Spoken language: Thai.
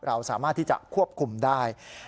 เราสามารถที่จะควบคุมได้